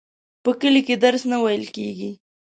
په کلي کي درس نه وویل کیږي.